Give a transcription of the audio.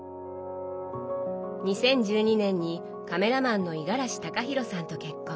２０１２年にカメラマンの五十嵐隆裕さんと結婚。